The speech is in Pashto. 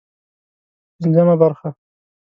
پنځمه برخه